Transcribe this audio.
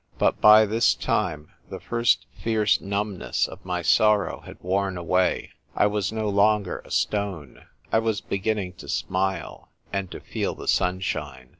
But by this time the first fierce numbness of my sorrow had worn away ; I was no longer a stone ; I was beginning to smile, and to feel the sunshine.